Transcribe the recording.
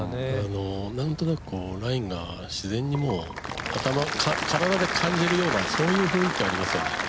何となくラインが自然に体で感じるような雰囲気ありますよね。